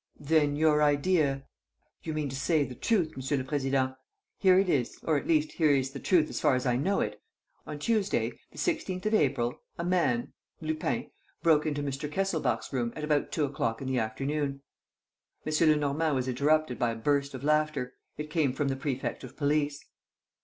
"Then your idea ..." "You mean to say, the truth, M. le Président. Here it is, or, at least, here is the truth as far as I know it. On Tuesday, the 16th of April, a man Lupin broke into Mr. Kesselbach's room at about two o'clock in the afternoon. ..." M. Lenormand was interrupted by a burst of laughter. It came from the prefect of police.